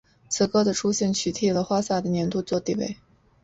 此歌的出现取替了花洒的年度作地位。